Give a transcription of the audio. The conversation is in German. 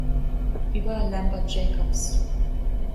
Über Lambert Jacobsz.